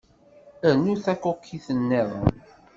Rnut takukit-nniḍen.